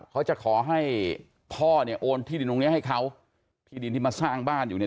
ขอให้พ่อเนี่ยโอนที่ดินตรงนี้ให้เขาที่ดินที่มาสร้างบ้านอยู่เนี่ย